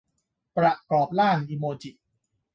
ประกอบร่างอิโมจิ